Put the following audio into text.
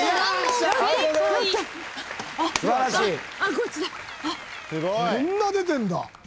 こんな出てんだ。